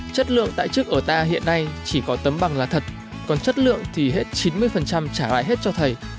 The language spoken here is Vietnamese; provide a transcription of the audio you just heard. chất lượng tại chức ở ta hiện nay chỉ có tấm bằng là thật còn chất lượng thì hết chín mươi trả lại hết cho thầy